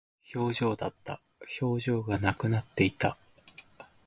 表情だった。表情がなくなっていた。